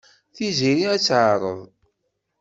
Tiziri ad tt-teɛreḍ.